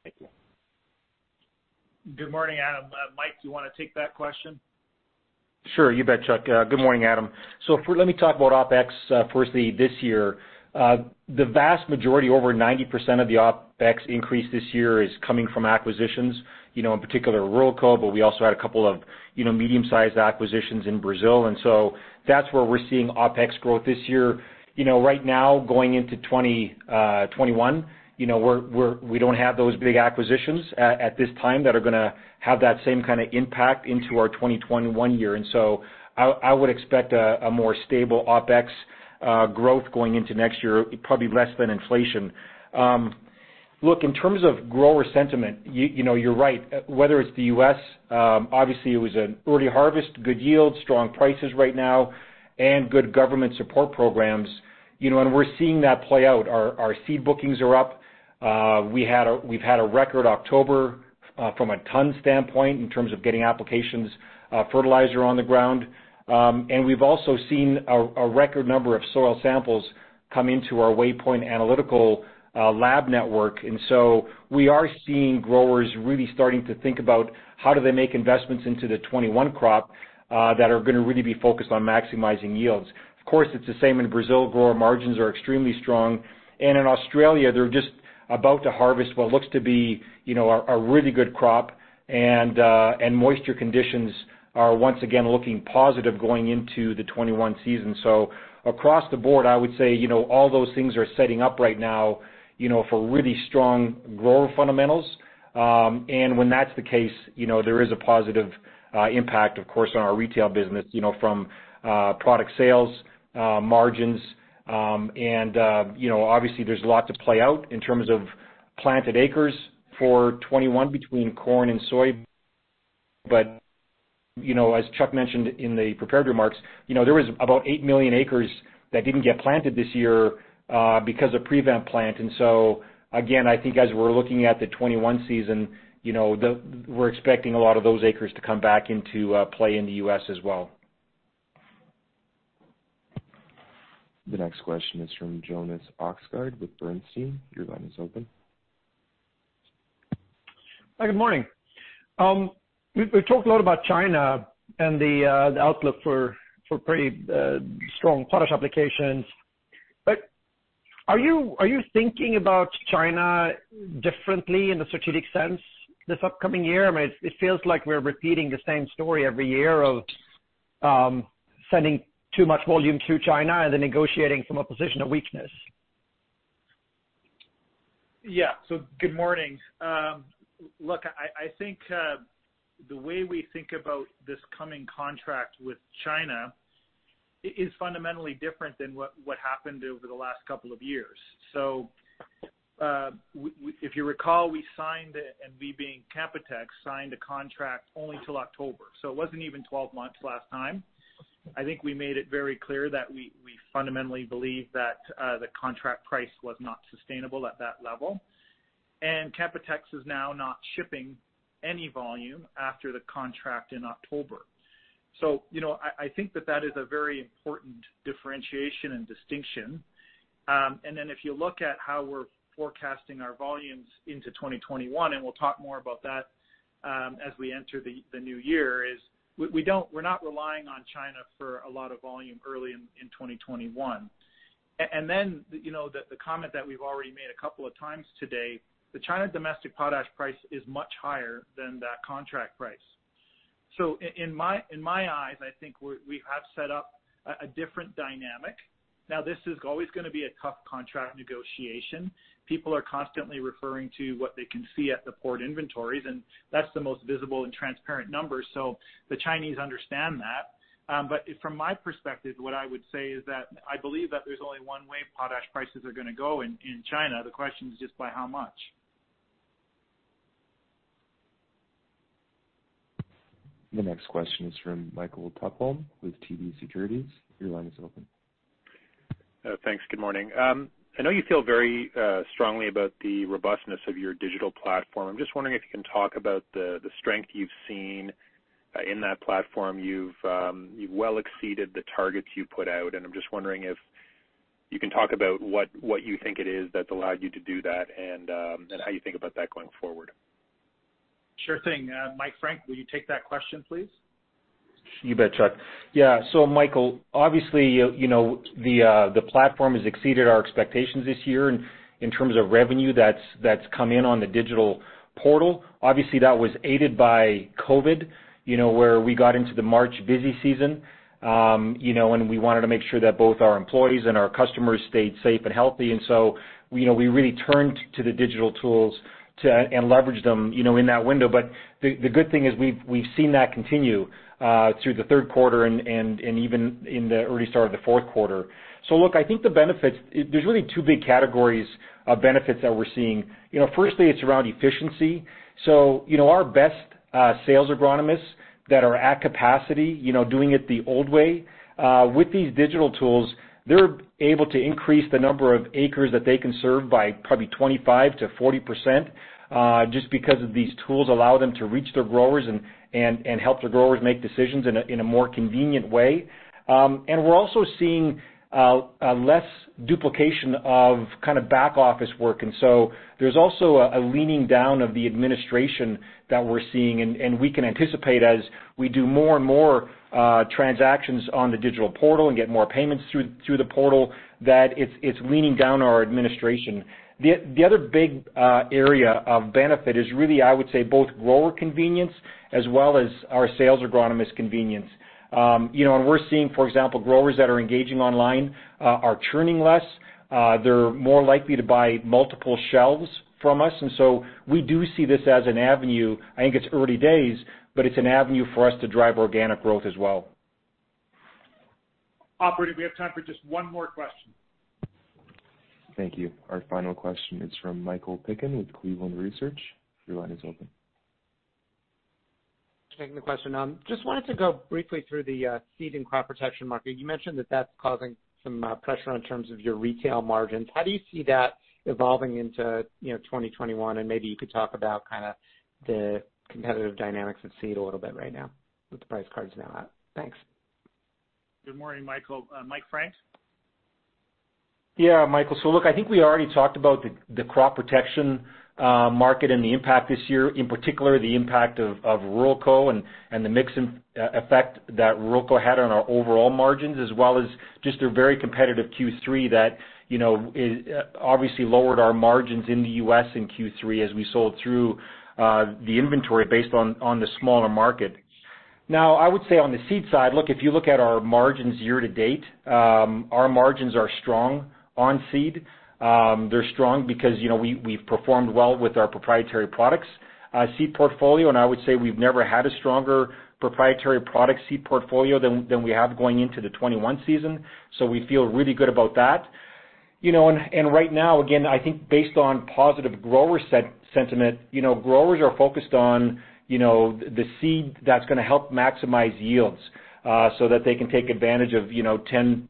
Thank you. Good morning, Adam. Mike, do you want to take that question? Sure. You bet, Chuck. Good morning, Adam. Let me talk about OpEx firstly this year. The vast majority, over 90% of the OpEx increase this year is coming from acquisitions. In particular Ruralco, but we also had a couple of medium-sized acquisitions in Brazil. That's where we're seeing OpEx growth this year. Right now, going into 2021, we don't have those big acquisitions at this time that are going to have that same kind of impact into our 2021 year. I would expect a more stable OpEx growth going into next year, probably less than inflation. Look, in terms of grower sentiment, you're right. Whether it's the U.S., obviously it was an early harvest, good yield, strong prices right now, and good government support programs. We're seeing that play out. Our seed bookings are up. We've had a record October from a ton standpoint in terms of getting applications fertilizer on the ground. We've also seen a record number of soil samples come into our Waypoint Analytical lab network. We are seeing growers really starting to think about how do they make investments into the 2021 crop that are going to really be focused on maximizing yields. Of course, it's the same in Brazil. Grower margins are extremely strong. In Australia, they're just about to harvest what looks to be a really good crop. Moisture conditions are once again looking positive going into the 2021 season. Across the board, I would say all those things are setting up right now for really strong grower fundamentals. When that's the case, there is a positive impact, of course, on our retail business from product sales margins. Obviously there's a lot to play out in terms of planted acres for 2021 between corn and soy. As Chuck mentioned in the prepared remarks, there was about 8 million acres that didn't get planted this year because of prevent plant. Again, I think as we're looking at the 2021 season, we're expecting a lot of those acres to come back into play in the U.S. as well. The next question is from Jonas Oxgaard with Bernstein. Your line is open. Hi, good morning. We talked a lot about China and the outlook for pretty strong potash applications. Are you thinking about China differently in a strategic sense this upcoming year? I mean, it feels like we're repeating the same story every year of sending too much volume to China and then negotiating from a position of weakness. Yeah. Good morning. Look, I think the way we think about this coming contract with China is fundamentally different than what happened over the last couple of years. If you recall, we signed, and we being Canpotex, signed a contract only till October, so it wasn't even 12 months last time. I think we made it very clear that we fundamentally believe that the contract price was not sustainable at that level. Canpotex is now not shipping any volume after the contract in October. I think that that is a very important differentiation and distinction. If you look at how we're forecasting our volumes into 2021, and we'll talk more about that as we enter the new year, is we're not relying on China for a lot of volume early in 2021. The comment that we've already made a couple of times today, the China domestic potash price is much higher than that contract price. In my eyes, I think we have set up a different dynamic. Now, this is always going to be a tough contract negotiation. People are constantly referring to what they can see at the port inventories, and that's the most visible and transparent number. The Chinese understand that. From my perspective, what I would say is that I believe that there's only one way potash prices are going to go in China. The question is just by how much. The next question is from Michael Tupholme with TD Securities. Your line is open. Thanks. Good morning. I know you feel very strongly about the robustness of your digital platform. I'm just wondering if you can talk about the strength you've seen in that platform. You've well exceeded the targets you put out. I'm just wondering if you can talk about what you think it is that's allowed you to do that and how you think about that going forward. Sure thing. Mike Frank, will you take that question, please? You bet, Chuck. Yeah. Michael, obviously, the platform has exceeded our expectations this year in terms of revenue that's come in on the digital portal. Obviously, that was aided by COVID, where we got into the March busy season, and we wanted to make sure that both our employees and our customers stayed safe and healthy. We really turned to the digital tools and leveraged them in that window. The good thing is we've seen that continue through the third quarter and even in the early start of the fourth quarter. Look, I think the benefits, there's really two big categories of benefits that we're seeing. Firstly, it's around efficiency. Our best sales agronomists that are at capacity doing it the old way, with these digital tools, they're able to increase the number of acres that they can serve by probably 25%-40% just because these tools allow them to reach their growers and help their growers make decisions in a more convenient way. We're also seeing less duplication of kind of back office work. There's also a leaning down of the administration that we're seeing, and we can anticipate as we do more and more transactions on the digital portal and get more payments through the portal, that it's leaning down our administration. The other big area of benefit is really, I would say, both grower convenience as well as our sales agronomist convenience. We're seeing, for example, growers that are engaging online are churning less. They're more likely to buy multiple shelves from us. We do see this as an avenue. I think it's early days, but it's an avenue for us to drive organic growth as well. Operator, we have time for just one more question. Thank you. Our final question is from Michael Piken with Cleveland Research. Your line is open. Thanks for taking the question. Just wanted to go briefly through the seed and crop protection market. You mentioned that that's causing some pressure in terms of your retail margins. How do you see that evolving into 2021? Maybe you could talk about kind of the competitive dynamics of seed a little bit right now with the price cards now out? Thanks. Good morning, Michael. Mike Frank? Yeah, Michael. Look, I think we already talked about the crop protection market and the impact this year, in particular, the impact of Ruralco and the mix effect that Ruralco had on our overall margins, as well as just a very competitive Q3 that obviously lowered our margins in the U.S. in Q3 as we sold through the inventory based on the smaller market. I would say on the seed side, look, if you look at our margins year to date, our margins are strong on seed. They're strong because we've performed well with our proprietary products seed portfolio, and I would say we've never had a stronger proprietary product seed portfolio than we have going into the 2021 season. We feel really good about that. Right now, again, I think based on positive grower sentiment, growers are focused on the seed that's going to help maximize yields so that they can take advantage of $10.40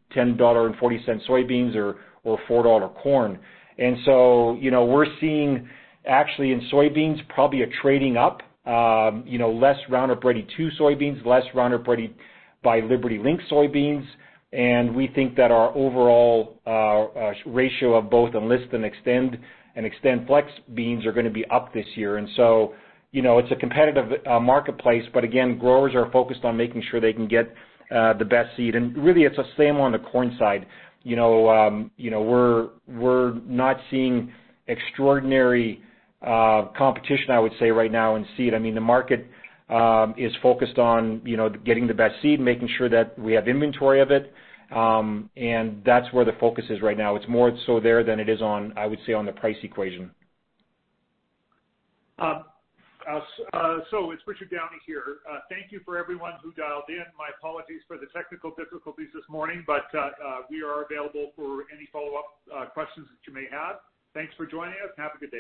soybeans or $4 corn. We're seeing actually in soybeans, probably a trading up, less Roundup Ready 2 soybeans, less Roundup Ready by LibertyLink soybeans. We think that our overall ratio of both Enlist and Xtend and XtendFlex beans are going to be up this year. It's a competitive marketplace, but again, growers are focused on making sure they can get the best seed. Really it's the same on the corn side. We're not seeing extraordinary competition, I would say, right now in seed. I mean, the market is focused on getting the best seed, making sure that we have inventory of it. That's where the focus is right now. It's more so there than it is on, I would say, on the price equation. It's Richard Downey here. Thank you for everyone who dialed in. My apologies for the technical difficulties this morning, but we are available for any follow-up questions that you may have. Thanks for joining us. Have a good day.